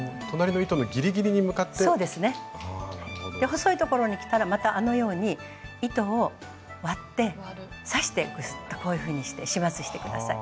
細いところにきたらまたあのように糸を割って刺してこういうふうにして始末して下さい。